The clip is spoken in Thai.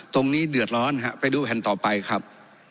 ตรงนี้เดือดร้อนฮะไปดูแผ่นต่อไปครับ